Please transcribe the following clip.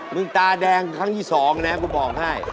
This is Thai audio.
ตาแดงครั้งที่สองนะกูบอกให้